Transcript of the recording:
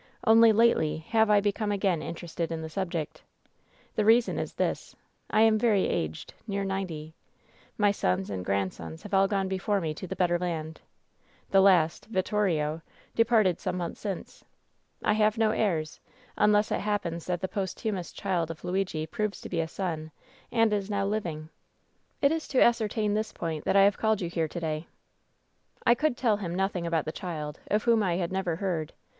Only lately have I be come again interested in the subject. The reason is this: I am very aged, near ninety. My sons and grandsons have all gone before me to the better land. The last, Vittorio, departed some months since. I have no heirs. £42 WHEN SHADOWS DIE unless it happens that the posthumous child of Luigi proves to be a son and is now living. It is to ascertain this point that I have called you here to day/ "I could tell him nothing about the child, of whom I had never heard.